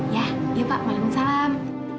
ya ya pak malam salam